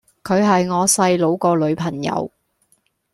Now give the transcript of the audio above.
佢係我細佬個女朋友